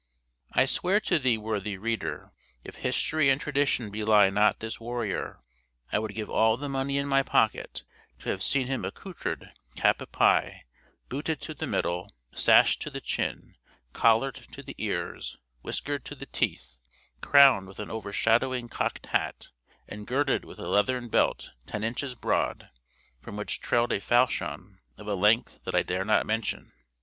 I swear to thee, worthy reader, if history and tradition belie not this warrior, I would give all the money in my pocket to have seen him accoutred cap a pie booted to the middle sashed to the chin collared to the ears whiskered to the teeth crowned with an overshadowing cocked hat, and girded with a leathern belt ten inches broad, from which trailed a falchion, of a length that I dare not mention.